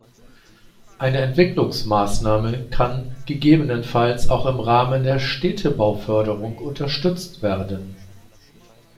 Eine Entwicklungsmaßnahme kann gegebenenfalls auch im Rahmen der Städtebauförderung unterstützt werden.